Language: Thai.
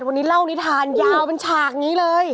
วันนี้เล่านิทานยาวเป็นฉากนี้เลย